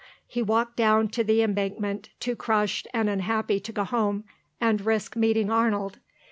He walked down to the Embankment, too crushed and unhappy to go home and risk meeting Arnold.